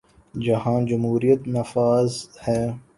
جہاں جمہوریت نافذ ہے۔